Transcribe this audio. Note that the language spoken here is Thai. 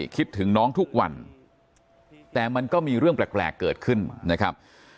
คิดถึงน้องทุกวันแต่มันก็มีเรื่องแปลกเกิดขึ้นนะครับ